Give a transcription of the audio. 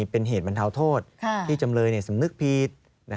เป็นเหตุบรรเทาโทษที่จำเลยสำนึกผิด